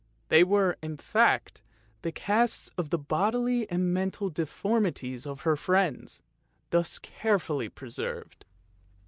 They were, in fact, the casts of the bodily and mental deformities of her friends, thus carefully preserved.